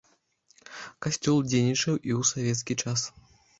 Касцёл дзейнічаў і ў савецкі час.